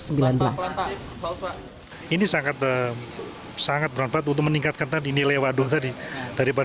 masyarakat itu sudah rp dua ratus